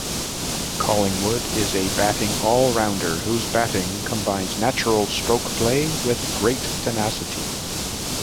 Collingwood is a batting all-rounder, whose batting combines natural strokeplay with great tenacity.